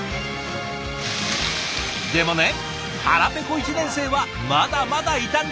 でもね腹ぺこ１年生はまだまだいたんです。